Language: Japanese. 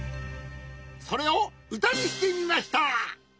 それをうたにしてみました！